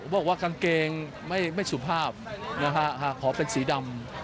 บอกว่ากางเกงไม่สุภาพนะฮะหากขอเป็นสีดำ